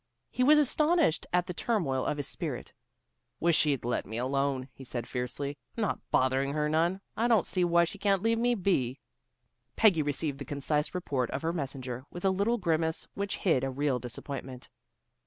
He was astonished at the turmoil of his spirit. "Wish she'd let me alone," he said fiercely. "I'm not bothering her none. I don't see why she can't leave me be." Peggy received the concise report of her messenger with a little grimace which hid a real disappointment.